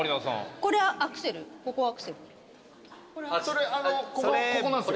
それここなんですよ。